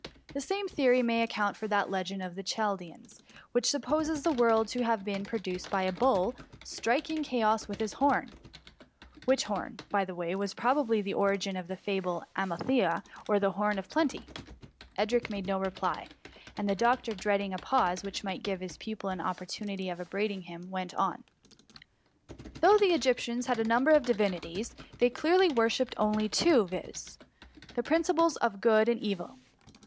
The same theory may account for that legend of the Chaldeans which supposes the world to have been pro duced by a bull's striking chaos with his Horn — which horn, by the way, was probably the ovigin of the fable of Amalthea, or the Horn of Plenty/' Edric made no reply, and the doctor dread ing a pause, which might give his pupil an op portunity of upbraiding him, went on :—Though the Egyptians had a number of divinities, they clearly worshipped only two, viz. the principles of good and evil.